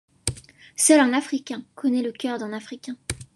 Seul un Africain connaît le cœur d'un Africain.